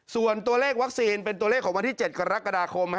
ส่วนตัวเลขวัคซีนเป็นตัวเลขของวันที่๗กรกฎาคม